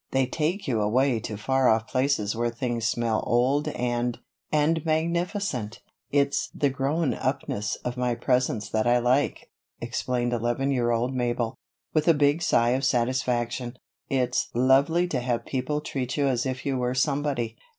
"They take you away to far off places where things smell old and and magnificent." "It's the grown upness of my presents that I like," explained eleven year old Mabel, with a big sigh of satisfaction. "It's lovely to have people treat you as if you were somebody."